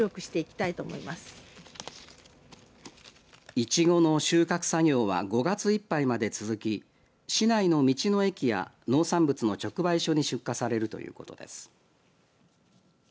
いちごの収穫作業は５月いっぱいまで続き市内の道の駅や農産物の直売所に出荷されるということです。